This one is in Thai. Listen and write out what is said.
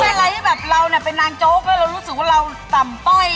มันใช่อะไรที่แบบเราเนี่ยเป็นนางโจ๊กและเรารู้สึกสำต้้อยน้อยค่ามากเลย